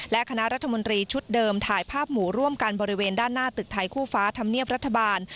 และคณะรัฐมนตรีชุดเดิมถ่ายภาพหมู่ร่วมกันบริเวณด้านหน้าตึกไทยคู่ฟ้าธรรมเนียบรัฐบาล